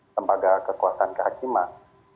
lembaga kekuasaan kehakiman